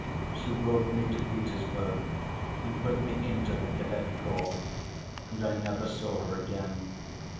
She brought me to Petersburg and put me into the Cadet Corps, and I never saw her again.